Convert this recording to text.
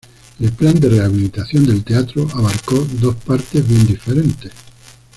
El plan de rehabilitación del teatro abarcó dos partes bien diferentes.